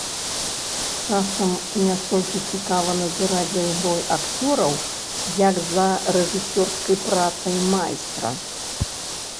Часам не столькі цікава назіраць за ігрой акцёраў, як за рэжысёрскай працай майстра.